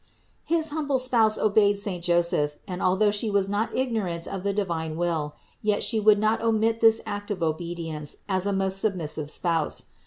450. His humble Spouse obeyed saint Joseph and although She was not ignorant of the divine will, yet She would not omit this act of obedience as a most sub missive Spouse.